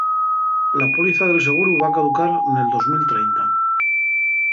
La póliza del seguru va caducar nel dos mil trenta.